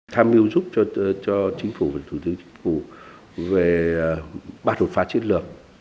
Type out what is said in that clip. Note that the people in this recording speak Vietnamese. tham mưu giúp cho chính phủ và thủ tướng chính phủ về ba đột phá chiến lược